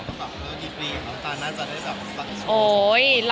อีกปีตาเองน่าจะได้แบบ